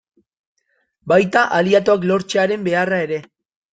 Baita, aliatuak lortzearen beharra ere.